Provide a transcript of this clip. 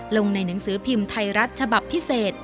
ลงในหนังสือพิมพ์ไทยรัฐฉบับพิเศษ